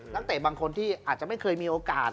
เตะบางคนที่อาจจะไม่เคยมีโอกาส